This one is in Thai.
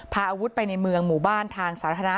พาอาวุธไปในเมืองหมู่บ้านทางสาธารณะ